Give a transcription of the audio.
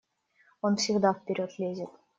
Он всегда вперед лезет.